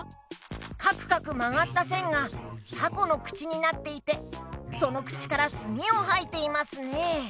かくかくまがったせんがたこのくちになっていてそのくちからすみをはいていますね。